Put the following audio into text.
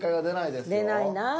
出ないな。